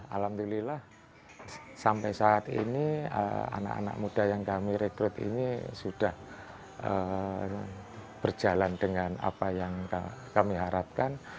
alhamdulillah sampai saat ini anak anak muda yang kami rekrut ini sudah berjalan dengan apa yang kami harapkan